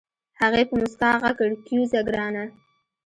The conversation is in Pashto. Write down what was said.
هغې په موسکا غږ کړ کېوځه ګرانه.